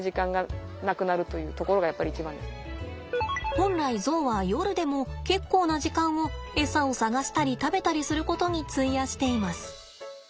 本来ゾウは夜でも結構な時間をエサを探したり食べたりすることに費やしています。